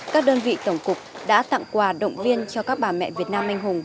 các đơn vị tổng cục đã tặng quà động viên cho các bà mẹ việt nam anh hùng